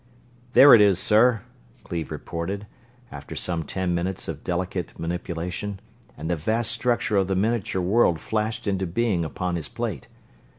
"There it is, sir," Cleve reported, after some ten minutes of delicate manipulation, and the vast structure of the miniature world flashed into being upon his plate.